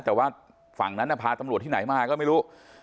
แต่ว่าฝั่งนั้นพาตำรวจที่ไหนมาก็ไม่รู้